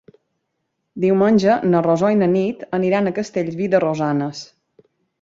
Diumenge na Rosó i na Nit aniran a Castellví de Rosanes.